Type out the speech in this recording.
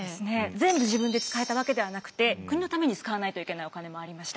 全部自分で使えたわけではなくて国のために使わないといけないお金もありました。